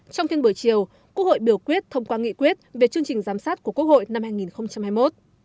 trong phiên buổi chiều quốc hội biểu quyết thông qua nghị quyết về chương trình giám sát của quốc hội năm hai nghìn hai mươi một